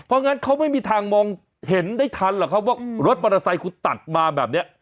เพราะงั้นเขาไม่มีทางมองเห็นได้ทันหรอกเขาบอกรถปาราไซคุตัดมาแบบเนี่ย